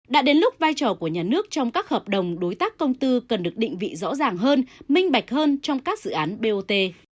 đã đến lúc vai trò của nhà nước trong các hợp đồng đối tác công tư cần được định vị rõ ràng hơn minh bạch hơn trong các dự án bot